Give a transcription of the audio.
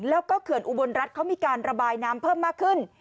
แล้วก็เขื่อนอุบลรัฐเขามีการระบายน้ำเพิ่มมากขึ้น